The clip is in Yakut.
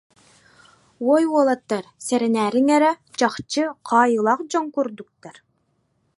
Уой, уолаттар, сэрэнээриҥ эрэ, чахчы, хаайыылаах дьон курдуктар